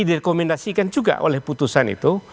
direkomendasikan juga oleh putusan itu